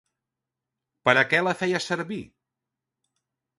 Per a què la feia servir?